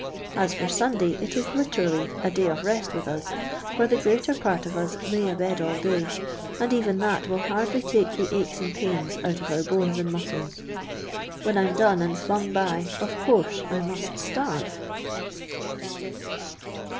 As for Sunday, it is literally a day of rest with us, for the greater part of us lay a bed all day, and even that will hardly take the aches and pains out of our bones and muscles. When I 'm done and fiung by, of course I must itarve."